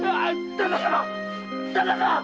旦那様！